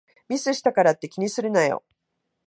ミスしたからって気にするなよ